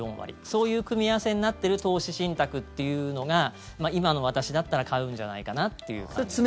そういう組み合わせになっている投資信託っていうのが今の私だったら買うんじゃないかなっていう感じですね。